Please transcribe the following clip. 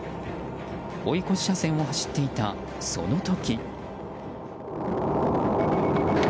追い越し車線を走っていたその時。